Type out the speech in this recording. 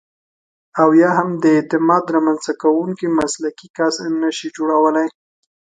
او یا هم د اعتماد رامنځته کوونکی مسلکي کس نشئ جوړولای.